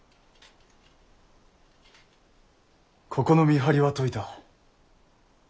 ここの見張りは解いた。